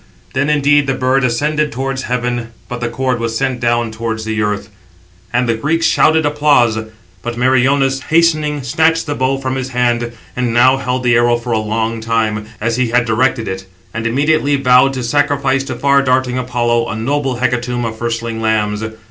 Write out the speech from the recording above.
Then indeed the bird ascended towards heaven, but the cord was sent down towards the earth: and the Greeks shouted applause. But Meriones, hastening, snatched the bow from his hand; and now held the arrow for a long time, as he had directed it; and immediately vowed to sacrifice to far darting Apollo a noble hecatomb of firstling lambs.